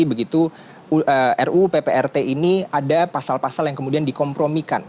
begitu ruu pprt ini ada pasal pasal yang kemudian dikompromikan